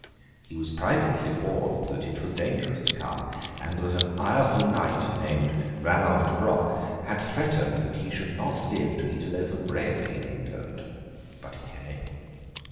He was privately warned that it was dangerous to come, and that an ireful knight, named Ranulf de Broc, had threatened that he should not live to eat a loaf of bread in England; but he came.